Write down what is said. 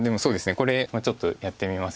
これちょっとやってみます。